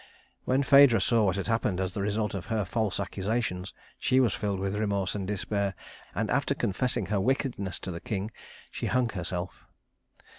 When Phædra saw what had happened as the result of her false accusations, she was filled with remorse and despair; and after confessing her wickedness to the king, she hung herself.